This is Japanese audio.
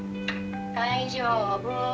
大丈夫。